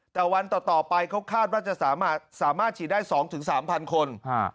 แต่วันต่อไปเขาคาดว่าจะสามารถฉีดได้๒๓๐๐คน